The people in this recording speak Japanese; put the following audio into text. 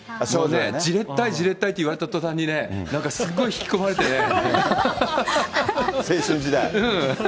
じれったい、じれったいって言われたとたんにね、なんかすごい引青春時代。